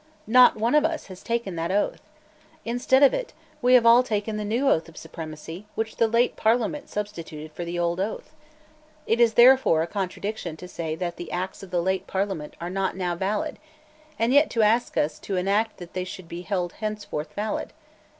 Not one of us has taken that oath. Instead of it, we have all taken the new oath of supremacy which the late Parliament substituted for the old oath. It is therefore a contradiction to say that the Acts of the late Parliament are not now valid, and yet to ask us to enact that they shall henceforth be valid.